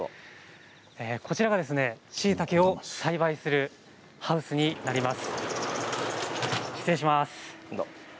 こちらは、しいたけを栽培するハウスになります。